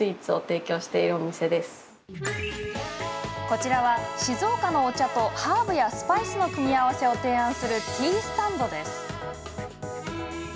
こちらは、静岡のお茶とハーブやスパイスの組み合わせを提案するティースタンド。